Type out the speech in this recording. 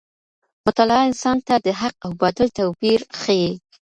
مطالعه انسان ته د حق او باطل توپیر ښيي.